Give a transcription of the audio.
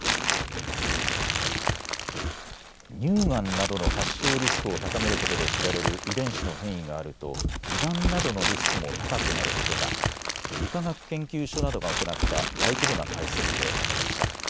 乳がんなどの発症リスクを高めることで知られる遺伝子の変異があると胃がんなどのリスクも高くなることが理化学研究所などが行った大規模な解析で分かりました。